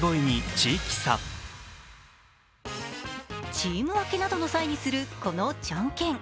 チーム分けなどの際にするこのじゃんけん。